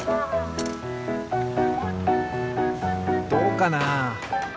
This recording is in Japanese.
どうかな？